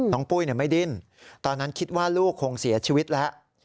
ปุ้ยไม่ดิ้นตอนนั้นคิดว่าลูกคงเสียชีวิตแล้ว